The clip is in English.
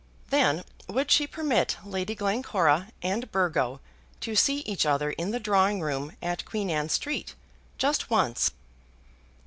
"Then would she permit Lady Glencora and Burgo to see each other in the drawing room at Queen Anne Street, just once!"